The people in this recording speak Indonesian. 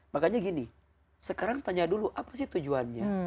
makanya gini sekarang tanya dulu apa sih tujuannya